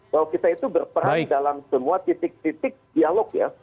bahwa kita itu berperan dalam semua titik titik dialog ya